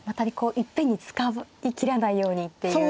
いっぺんに使い切らないようにっていう。